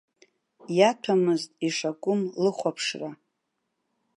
Иаҭәамызт ишакәым лыхәаԥшра.